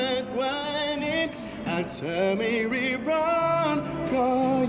เออ